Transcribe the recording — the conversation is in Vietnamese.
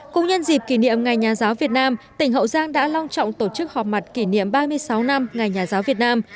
cũng nhân dịp kỷ niệm ngày nhà giáo việt nam tỉnh hậu giang đã long trọng tổ chức họp mặt kỷ niệm ba mươi sáu năm ngày nhà giáo việt nam